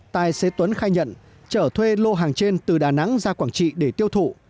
tài xế tuấn khai nhận trở thuê lô hàng trên từ đà nẵng ra quảng trị để tiêu thụ